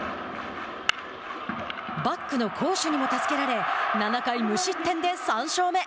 バックの好守にも助けられ７回無失点で３勝目。